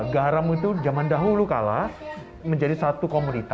garam itu zaman dahulu kalah menjadi satu komunitas